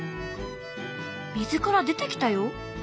水から出てきたよ。